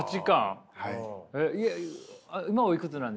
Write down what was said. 今おいくつなんですか？